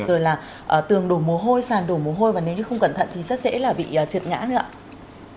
rồi là tường đổ mồ hôi sàn đổ mồ hôi và nếu như không cẩn thận thì rất dễ là bị trượt ngã nữa ạ